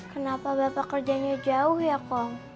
kenapa bapak kerjanya jauh ya kom